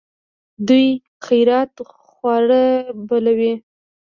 دوی خیرات خواره بلوي.